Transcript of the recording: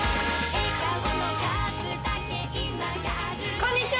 こんにちは！